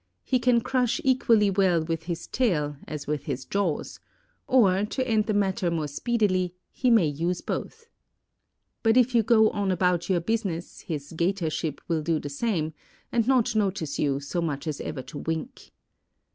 He can crush equally well with his tail as with his jaws—or, to end the matter more speedily, he may use both. But if you go on about your business his 'gator ship will do the same, and not notice you so much as ever to wink.